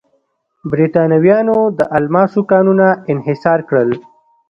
برېټانویانو د الماسو کانونه انحصار کړل.